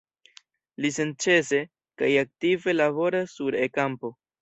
Li senĉese kaj aktive laboras sur E-kampo.